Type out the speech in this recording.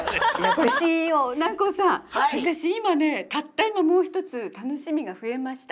私今ねたった今もう一つ楽しみが増えました。